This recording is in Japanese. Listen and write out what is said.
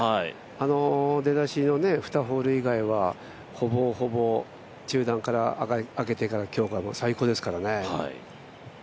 出だしの２ホール以外はほぼほぼ中断明けてから今日が最高ですからね。